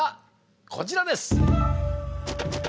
こちらです。